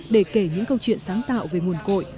để kể những câu chuyện sáng tạo về nguồn cội